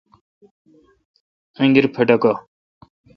انگیر پھٹھکہ